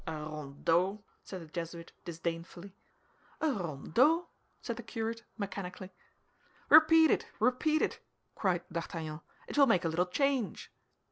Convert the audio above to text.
"A rondeau!" said the Jesuit, disdainfully. "A rondeau!" said the curate, mechanically. "Repeat it! Repeat it!" cried D'Artagnan; "it will make a little change."